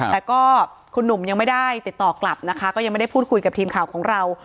แต่ก็คุณหนุ่มยังไม่ได้ติดต่อกลับนะคะก็ยังไม่ได้พูดคุยกับทีมข่าวของเรา